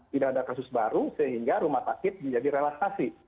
tidak ada kasus baru sehingga rumah sakit menjadi relaksasi